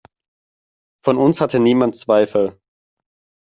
Von uns hatte niemand Zweifel.